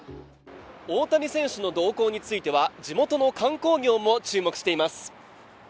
大谷選手の動向については地元の観光業も注目しています。